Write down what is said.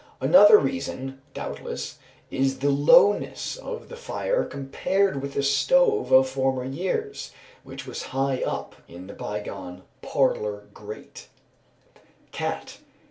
Another reason, doubtless, is the lowness of the fire compared with the stove of former years, which was high up in the bygone "parlour grate." _Cat.